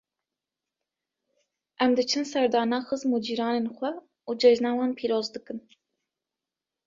Em diçin serdana xizim û cîranên xwe û cejna wan pîroz dikin.